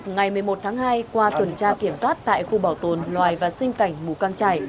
ngày một mươi một tháng hai qua tuần tra kiểm soát tại khu bảo tồn loài và sinh cảnh mù căng trải